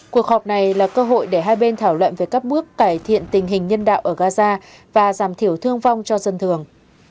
cuộc họp này là cơ hội để hai bên thảo luận về các bước cải thiện tình hình nhân đạo ở gaza và giảm thiểu thương vong cho dân thường